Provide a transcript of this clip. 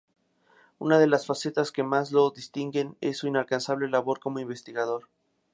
Una de las facetas que más lo distinguen en su incansable labor como investigador.